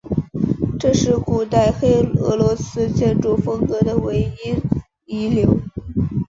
这是古代黑俄罗斯建筑风格的唯一遗留。